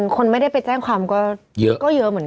คือคือคือคือคือคือคือ